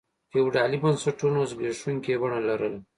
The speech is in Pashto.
فیوډالي بنسټونو زبېښونکي بڼه لرله.